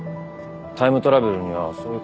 タイムトラベルにはそういう可能性が。